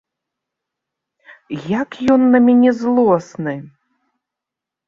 Як ён на мяне злосны!